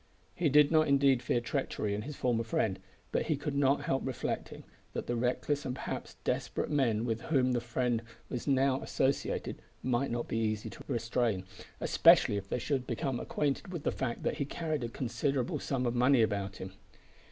He did not indeed fear treachery in his former friend, but he could not help reflecting that the reckless and perhaps desperate men with whom that friend was now associated might not be easy to restrain, especially if they should become acquainted with the fact that he carried a considerable sum of money about him.